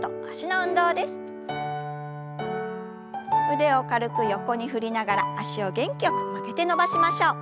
腕を軽く横に振りながら脚を元気よく曲げて伸ばしましょう。